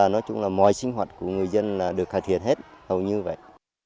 nên là mọi sinh hoạt của người dân được cải thiện hết hầu như vậy